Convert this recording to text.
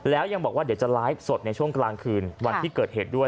แล้วยังบอกว่าเดี๋ยวจะไลฟ์สดในช่วงกลางคืนวันที่เกิดเหตุด้วย